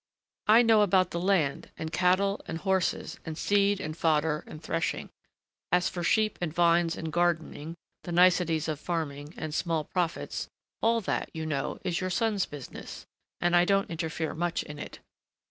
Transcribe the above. I know about the land and cattle and horses and seed and fodder and threshing. As for sheep and vines and gardening, the niceties of farming, and small profits, all that, you know, is your son's business, and I don't interfere much in it.